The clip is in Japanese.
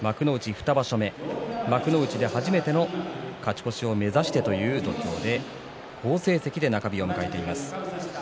２場所目幕内で初めての勝ち越しを目指すというところで好成績で中日を迎えています。